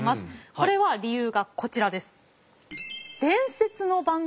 これは理由がこちらです。